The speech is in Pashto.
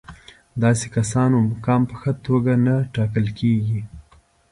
داسې کسانو مقام په ښه توګه نه ټاکل کېږي.